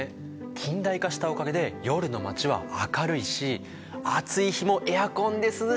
近代化したおかげで夜の街は明るいし暑い日もエアコンで涼しい。